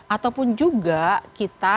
ataupun juga kita